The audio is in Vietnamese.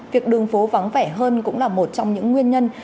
việc đường phố vắng vẻ hơn cũng là một trong những nguyên nhân